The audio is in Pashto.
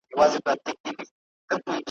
په دې خړو کنډوالو یو نازېدلي ,